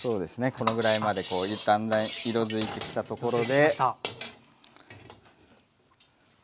このぐらいまでだんだん色づいてきたところで。